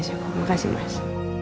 terima kasih mas